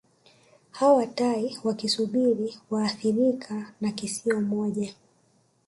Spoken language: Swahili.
Hawa tai wakisubiri waathirika na kisio moja